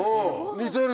似てる。